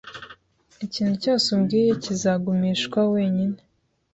Ikintu cyose umbwiye kizagumishwa wenyine